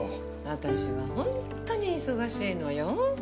私はホントに忙しいのよ。